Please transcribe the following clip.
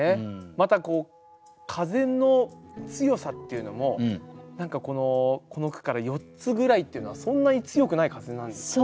また風の強さっていうのも何かこの句から４つぐらいっていうのはそんなに強くない風なんですよね。